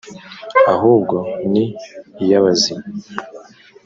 ahubwo ni iy abazima